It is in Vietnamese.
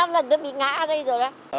ba lần tôi bị ngã đây rồi đó